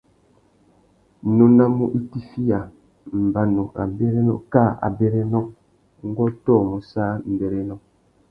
Nônamú itifiya, mbanu râ mbérénô kā abérénô, ngu ôtōmú sā mbérénô.